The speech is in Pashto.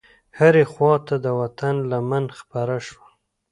هرې خواته د وطن لمن خپره شوه.